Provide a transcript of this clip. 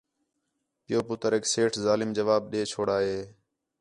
پِیؤ، پُتریک سیٹھ ظالم جواب دے چھوڑا ہِے